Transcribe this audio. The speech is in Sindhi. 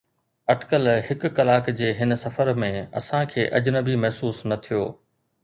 اٽڪل هڪ ڪلاڪ جي هن سفر ۾، اسان کي اجنبي محسوس نه ٿيو.